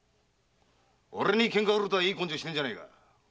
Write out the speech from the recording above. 俺に喧嘩売るとはいい根性してんじゃねえか。